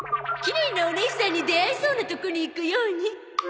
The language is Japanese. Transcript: きれいなおねいさんに出会えそうなとこに行くように。